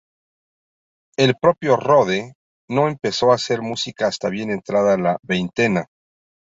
El propio Rohde no empezó a hacer música hasta bien entrada la veintena.